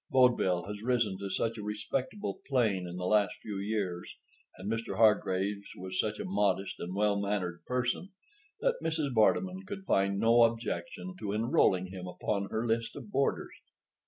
Vaudeville has risen to such a respectable plane in the last few years, and Mr. Hargraves was such a modest and well mannered person, that Mrs. Vardeman could find no objection to enrolling him upon her list of boarders.